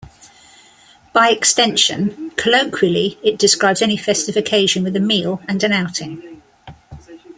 By extension, colloquially, it describes any festive occasion with a meal and an outing.